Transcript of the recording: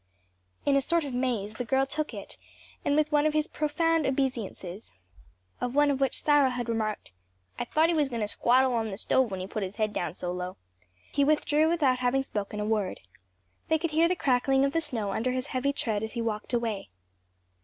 In a sort of maze the girl took it, and with one of his profound obeisances, of one of which Cyril had remarked, "I thought he was going to squattle on the stove when he put his head down so low," he withdrew without having spoken a word. They could hear the crackling of the snow under his heavy tread as he walked away.